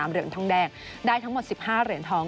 ๓เดียนทองแดงได้ทั้งหมด๕เดียนทอง